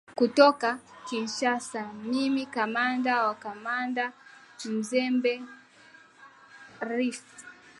kutoka kinshasa mimi kamanda wa kamanda mzembe rfi